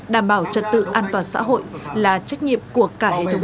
đảm bảo trật tự an toàn xã hội là trách nhiệm của cả hệ thống